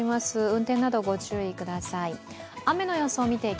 運転など、ご注意ください。